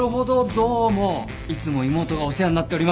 どうもいつも妹がお世話になっております。